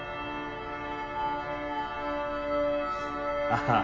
ああ。